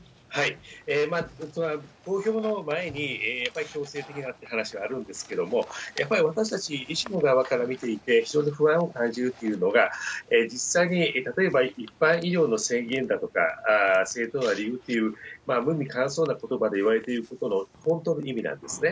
公表の前に、やっぱり強制的な話はあるんですけれども、やっぱり私たち医師の側から見ていて、非常に不安を感じるっていうのが、実際に、例えば一般医療の制限だとか、正当な理由っていう、無味乾燥なことばでいわれているところ、本当の意味なんですね。